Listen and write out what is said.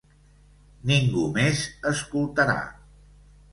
Ningú més escoltarà.